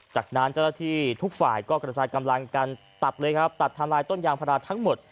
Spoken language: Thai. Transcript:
จากนั้นเจ้าหน้าที่ทุกฝ่ายก็กระจายกำลังกันตัดเลยครับตัดทำลายต้นยางพาราทั้งหมด